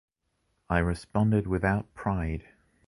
I responded without pride: